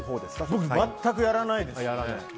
僕全くやらないですね。